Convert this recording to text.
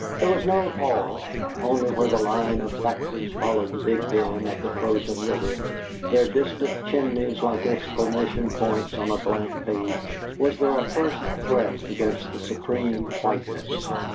There was no thaw; only where the line of factories followed the big bend of the frozen river, their distant chimneys like exclamation points on a blank page, was there a first threat against the supreme whiteness.